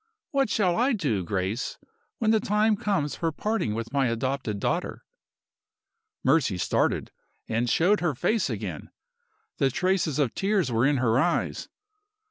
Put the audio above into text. What shall I do, Grace, when the day comes for parting with my adopted daughter?" Mercy started, and showed her face again. The traces of tears were in her eyes.